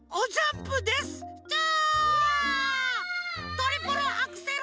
トリプルアクセル！